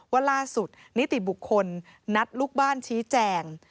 ว่าล่าสุดนิติบุคคลนัดลูกบ้านชี้แจง